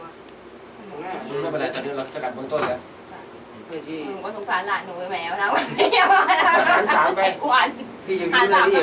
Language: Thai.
ล้อมันเหลือว่าทำรุ่มซื้นของเพื่อง